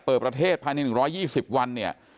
เปิดประเทศภายใน๑๒๐วันเนี่ย